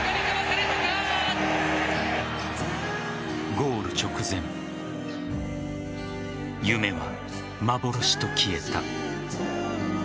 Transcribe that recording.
ゴール直前夢は幻と消えた。